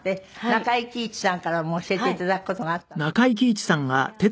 中井貴一さんからも教えて頂く事があったんですって？